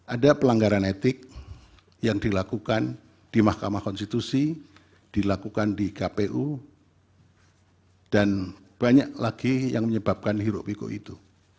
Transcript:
ada pelanggaran etik yang dilakukan di mahkamah konstitusi dilakukan di kpu dan banyak lagi yang menyebabkan hirup pikuk itu